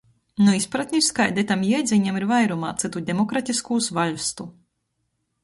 Nu izpratnis, kaida itam jiedzīņam ir vairumā cytu demokratiskūs vaļstu.